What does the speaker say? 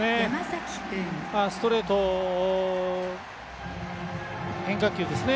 ストレートを変化球ですね。